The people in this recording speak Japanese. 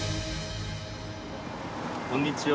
こんにちは。